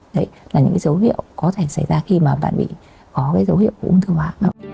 đấy là những dấu hiệu có thể xảy ra khi mà bạn bị có dấu hiệu uống tiêu hóa